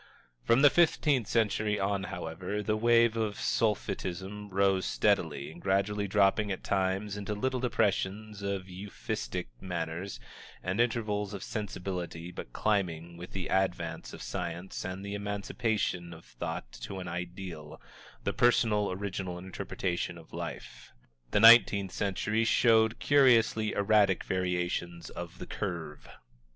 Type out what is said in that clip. From the fifteenth century on, however, the wave of Sulphitism rose steadily, gradually dropping at times into little depressions of Euphuistic manners and intervals of "sensibility" but climbing, with the advance of science and the emancipation of thought to an ideal the personal, original interpretation of life. The nineteenth century showed curiously erratic variations of the curve.